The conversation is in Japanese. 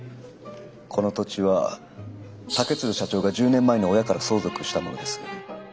この土地は竹鶴社長が１０年前に親から相続したものです。